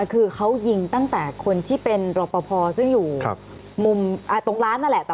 คือเขายิงตั้งแต่คนที่เป็นรอปภซึ่งอยู่มุมตรงร้านนั่นแหละ